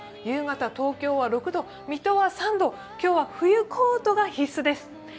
夕方、東京は６度、水戸は３度、今日は冬コートが必須です。